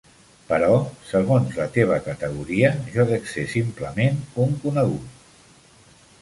Però, segons la teva categoria, jo dec ser simplement un conegut.